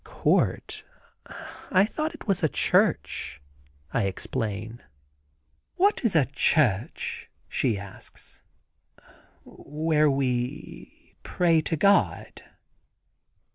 "Court? I thought it was a church," I explain. "What is a church?" she asks. "Where we pray to God."